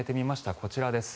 こちらです。